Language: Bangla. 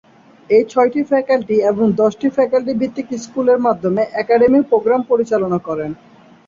এটি ছয়টি ফ্যাকাল্টি এবং দশটি ফ্যাকাল্টি-ভিত্তিক স্কুলের মাধ্যমে অ্যাকাডেমিক প্রোগ্রাম পরিচালনা করেন।